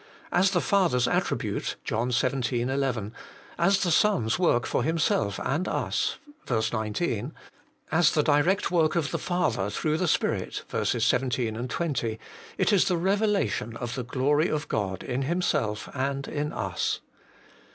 As the Father's attribute (John xvii. 11), as the Son's work for Himself and us (ver. 19), as the direct work of the Father through the Spirit (vers. IV, 20), it is the revelation of the glory of God in Himself and in us.